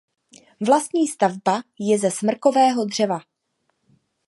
Vlastní stavba je ze smrkového dřeva.